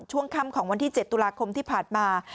ช่วงค่ำของวันที่๗ตุลาคมที่ผ่านมา